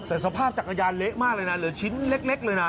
แต่สภาพจักรยานเละมากเลยนะเหลือชิ้นเล็กเลยนะ